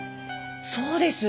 そうです。